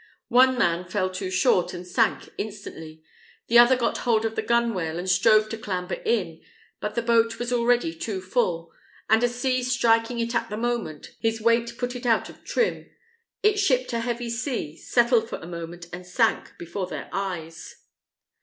One man fell too short, and sank instantly; the other got hold of the gunwale, and strove to clamber in; but the boat was already too full, and a sea striking it at the moment, his weight put it out of trim; it shipped a heavy sea, settled for a moment, and sank before their eyes.